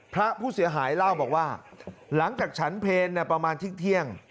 พระผู้เสียหายเล่าบอกว่าหลังจากฉันเพลประมาณเที่ยง